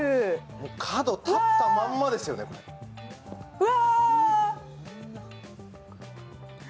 もう角立ったまんまですよねうわ